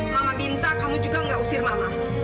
mama minta kamu juga nggak usir mama